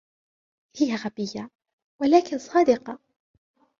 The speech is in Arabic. هي غبية, ولكن صادقة.